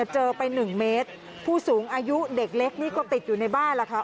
เจอไป๑เมตรผู้สูงอายุเด็กเล็กนี่ก็ติดอยู่ในบ้านล่ะค่ะ